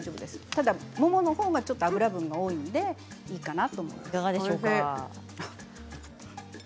ただもものほうがちょっと脂分が多いのでいいかなと思います。